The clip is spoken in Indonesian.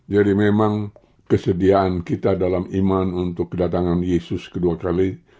jadi memang kesediaan kita dalam iman untuk kedatangan yesus kedua kali